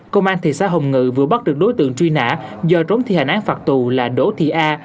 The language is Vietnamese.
công an thị xã hồng ngự vừa bắt được đối tượng truy nã do trốn thi hành án phạt tù là đỗ thị a